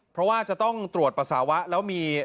เพราะว่าจะต้องตรวจปัสสาวะแล้วมี